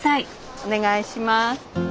お願いします。